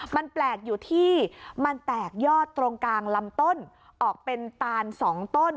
มันแปลกอยู่ที่มันแตกยอดตรงกลางลำต้นออกเป็นตาน๒ต้น